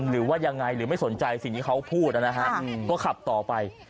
หรือว่ายังไงหรือไม่สนใจสิ่งที่เขาพูดนะฮะก็ขับต่อไป